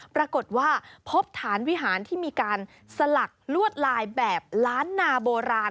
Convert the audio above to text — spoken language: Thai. ปรากฏว่าพบฐานวิหารที่มีการสลักลวดลายแบบล้านนาโบราณ